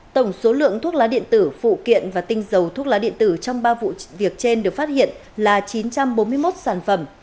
tổng số lượng thuốc lá điện tử phụ kiện và tinh dầu thuốc lá điện tử trong ba vụ việc trên được phát hiện là chín trăm bốn mươi một sản phẩm